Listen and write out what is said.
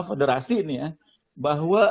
federasi ini ya bahwa